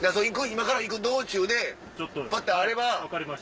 今から行く道中でぱってあれば。